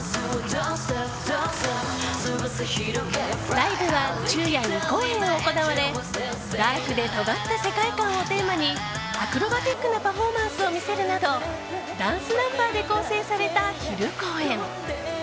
ライブは、昼夜２公演行われダークで尖った世界観をテーマにアクロバティックなパフォーマンスを見せるなどダンスナンバーで構成された昼公演。